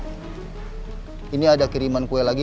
kyknya approve juga